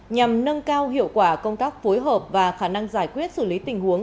nhằm nâng cao hiệu quả công tác phối hợp và khả năng giải quyết xử lý tình huống